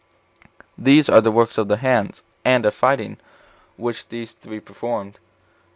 These are the works of the hands, and of fighting, which these three performed.